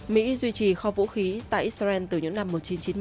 mỹ duy trì kho vũ khí tại israel từ những năm một nghìn chín trăm chín mươi